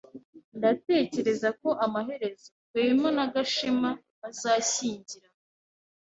Ndatekereza ko amaherezo Rwema na Gashema bazashyingirwa.